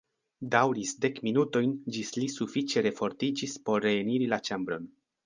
Daŭris dek minutojn ĝis li sufiĉe refortiĝis por reeniri la ĉambron.